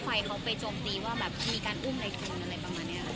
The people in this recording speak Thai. มีการอุ้มในทุนอะไรประมาณนี้